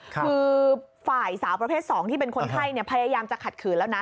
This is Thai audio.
คือฝ่ายสาวประเภท๒ที่เป็นคนไข้พยายามจะขัดขืนแล้วนะ